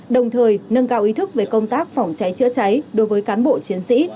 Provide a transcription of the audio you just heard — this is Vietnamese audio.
đồng thời nâng cao ý thức về công tác phòng cháy chữa cháy đối với cán bộ chiến sĩ